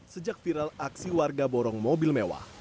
sejak viral aksi warga borong mobil mewah